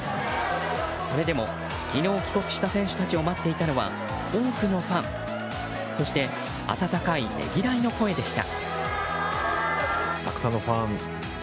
それでも昨日帰国した選手たちを待っていたのは多くのファン、そして温かいねぎらいの声でした。